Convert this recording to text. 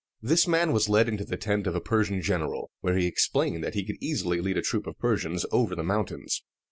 This man was led into the tent of a Persian general, where he explained that he could easily lead a troop of Persians over the mountains.